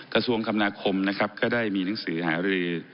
กระทรวงคำนาคมนะครับก็ได้มีหนังสือหารือ